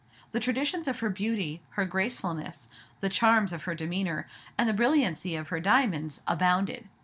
The traditions of her beauty, her gracefulness, the charms of her demeanor, and the brilliancy of her diamonds, abounded.